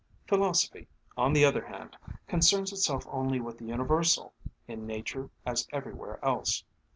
Philosophy, on the other hand, concerns itself only with the universal, in nature as everywhere else.